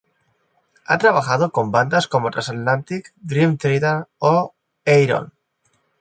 Ha trabajado con bandas como Transatlantic, Dream Theater o Ayreon.